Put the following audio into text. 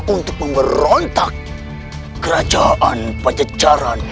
untuk memberontak kerajaan pajajaran